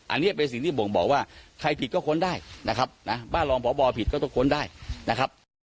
อันนี้เป็นสิ่งที่บ่งบอกว่าใครผิดก็ค้นได้นะครับนะบ้านรองพบผิดก็ต้องค้นได้นะครับ